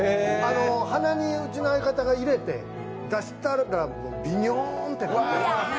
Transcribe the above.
鼻にうちの相方が入れて、出したらもう、ビヨーンって。